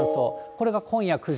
これが今夜９時。